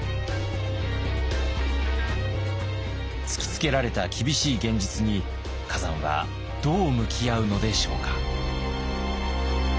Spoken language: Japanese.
突きつけられた厳しい現実に崋山はどう向き合うのでしょうか。